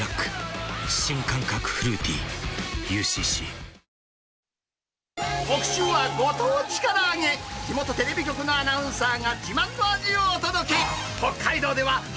「ビオレ」特集はご当地からあげ、地元テレビ局のアナウンサーが自慢の味をお届け。